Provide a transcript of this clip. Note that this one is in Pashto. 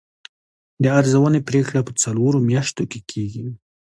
د ارزونې پریکړه په څلورو میاشتو کې کیږي.